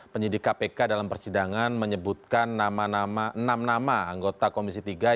penyidik kpk dalam persidangan menyebutkan enam nama anggota komisi tiga yang berada di dalam